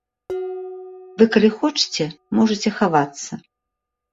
Вы, калі хочаце, можаце хавацца.